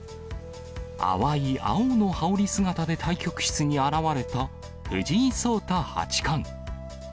淡い青の羽織姿で対局室に現れた藤井聡太八冠。